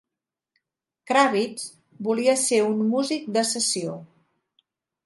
Kravitz volia ser un músic de sessió.